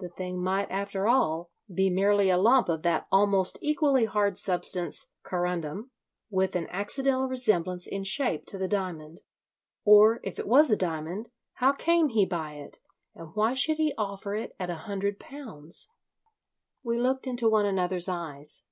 The thing might, after all, be merely a lump of that almost equally hard substance, corundum, with an accidental resemblance in shape to the diamond. Or if it was a diamond, how came he by it, and why should he offer it at a hundred pounds? We looked into one another's eyes.